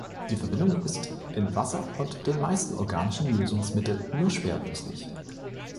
Die Verbindung ist in Wasser und den meisten organischen Lösungsmitteln nur schwer löslich.